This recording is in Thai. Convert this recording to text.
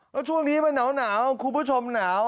แล้วช่วงนี้มาเหนาน้องคุณผู้ชมเหนา